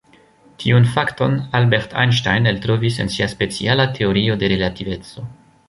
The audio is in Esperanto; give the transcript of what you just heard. Tiun fakton Albert Einstein eltrovis en sia speciala teorio de relativeco.